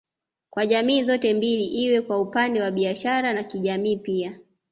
Kwa jamii zote mbili iwe kwa upande wa biashara na kijamii pia